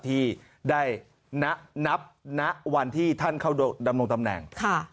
ที่ได้นับณวันที่ท่านเข้าดำรงตำแหน่ง